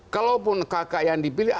kalaupun kakak yang dipilih